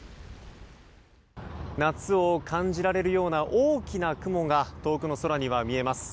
夏を感じられるような大きな雲が遠くの空には見えます。